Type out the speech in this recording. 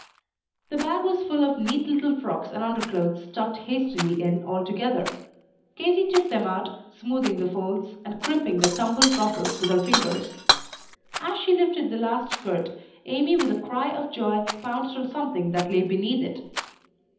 The bag was full of neat little frocks and underclothes stuffed hastily in all together. Katy took them out, smoothing the folds, and crimping the tumbled ruffles with her fingers. As she lifted the last skirt, Amy, with a cry of joy, pounced on something that lay beneath it.